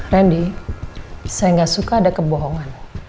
randy saya nggak suka ada kebohongan